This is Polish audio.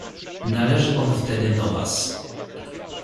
"Należy on wtedy do was."